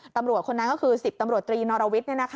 ตำรวจคนนั้นก็คือ๑๐ตำรวจตรีนอรวิทย์